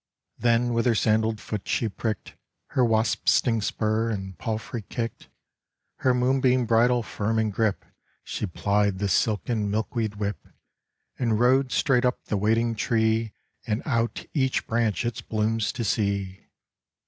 Then with her sandaled foot she pricked Her wasp sting spur (and palfrey kicked!) Her moonbeam bridle firm in grip, She plied the silken milkweed whip, And rode straight up the waiting tree, And out each branch its blooms to see.